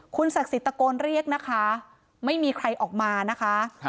ศักดิ์สิทธิตะโกนเรียกนะคะไม่มีใครออกมานะคะ